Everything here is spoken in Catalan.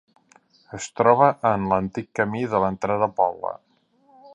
Es troba en l'antic camí de l'entrada al poble.